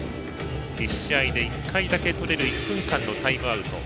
１試合で１回だけとれる１分間のタイムアウト。